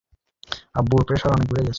আমার আব্বুর প্রেসার অনেক বেড়ে গেছে।